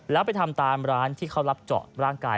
แล้วไปทำตามร้านที่เขารับเจาะร่างกาย